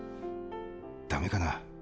ダメかな？